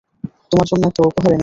তোমার জন্য একটা উপহার এনেছি।